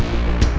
saya mau ke rumah